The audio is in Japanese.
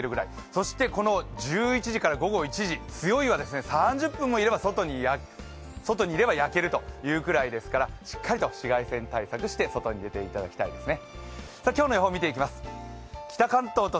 そしてこの１１時から午後１時、３０分も外にいれば焼けるということですからしっかりと紫外線対策して外に出ていただきたいですね。